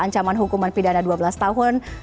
ancaman hukuman pidana dua belas tahun